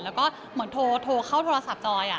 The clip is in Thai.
แล้วก็เหมือนโทรเข้าโทรศัพท์จอย